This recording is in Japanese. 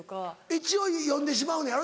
一応読んでしまうねやろ？